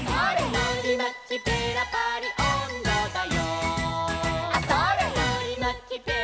「のりまきペラパリおんどだよ」